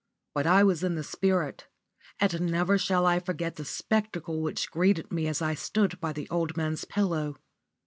But I was in the spirit, and never shall I forget the spectacle which greeted me as I stood by the old man's pillow.